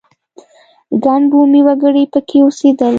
ګڼ بومي وګړي په کې اوسېدل.